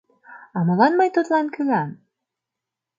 А молан мый тудлан кӱлам?